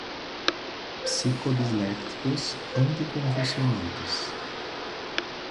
psicodislépticos, anticonvulsivantes